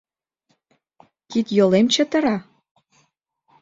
— Кид-йолем чытыра?